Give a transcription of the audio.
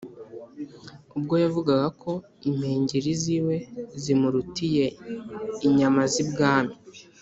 ubwo yavugaga ko impengeri z'iwe zimurutiye inyama z' ibwami.